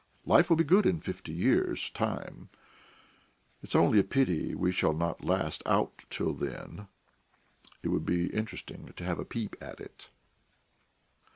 Life will be good in fifty years' time; it's only a pity we shall not last out till then. It would be interesting to have a peep at it."